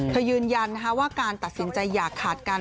ยืนยันว่าการตัดสินใจอย่าขาดกัน